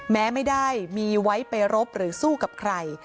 แม้ไม่ได้มีไว้ไปรบหรือสู้กับใคร